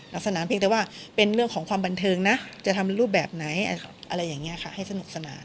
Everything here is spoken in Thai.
ลักษณะเพียงแต่ว่าเป็นเรื่องของความบันเทิงนะจะทำรูปแบบไหนอะไรอย่างนี้ค่ะให้สนุกสนาน